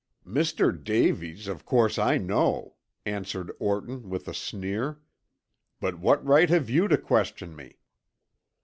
"Mr. Davies, of course I know," answered Orton with a sneer. "But what right have you to question me?"